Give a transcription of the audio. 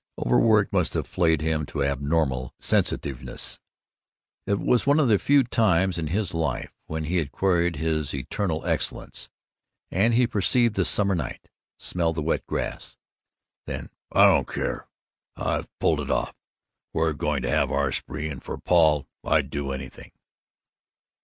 Overwork must have flayed him to abnormal sensitiveness; it was one of the few times in his life when he had queried his eternal excellence; and he perceived the summer night, smelled the wet grass. Then: "I don't care! I've pulled it off. We're going to have our spree. And for Paul, I'd do anything."